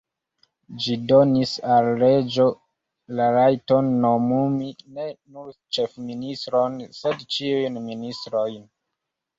Ĝi donis al reĝo la rajton nomumi ne nur ĉefministron, sed ĉiujn ministrojn.